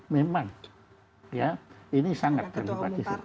memang ini sangat terlibat